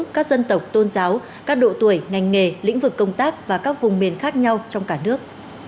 các dân tộc tôn giáo các độ tuổi ngành nghề lĩnh vực công tác và các vùng miền khác nhau trong cả nước